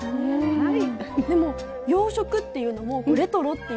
はい。